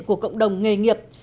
của cộng đồng nghề nghiệp